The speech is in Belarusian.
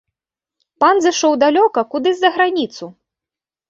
Пан зышоў далёка кудысь за граніцу!